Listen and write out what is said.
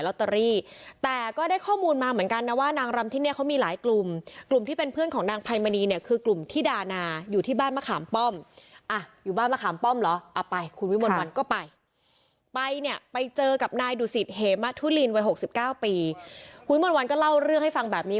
ลินวัยหกสิบเก้าปีคุยวันก็เล่าเรื่องให้ฟังแบบนี้